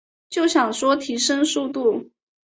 就想说提升速度